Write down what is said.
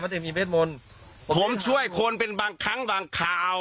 จะมีเวทมนต์ผมช่วยคนเป็นบางครั้งบางข่าว